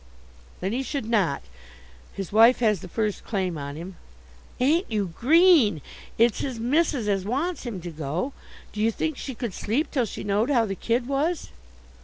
"Then he should not. His wife has the first claim on him." "Ain't you green! It's his missis as wants him to go. Do you think she could sleep till she knowed how the kid was?"